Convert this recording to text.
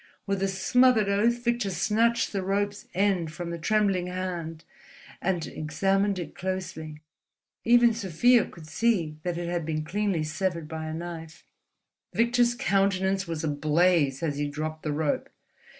With a smothered oath Victor snatched the rope's end from the trembling hand and examined it closely. Even Sofia could see that it had been cleanly severed by a knife. Victor's countenance was ablaze as he dropped the rope.